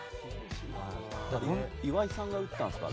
岩井さんが撃ったんですか？